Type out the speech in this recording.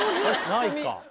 ないか。